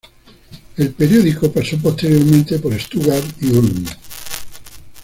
El periódico pasó posteriormente por Stuttgart y Ulm.